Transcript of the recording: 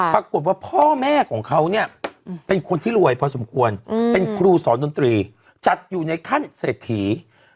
ปรากฏว่าพ่อแม่ของเขาเนี่ยเป็นคนที่รวยพอสมควรเป็นครูสอนดนตรีจัดอยู่ในขั้นเศรษฐี